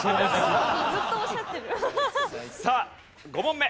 さあ５問目。